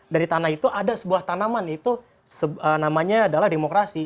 dari tanah itu ada sebuah tanaman itu namanya adalah demokrasi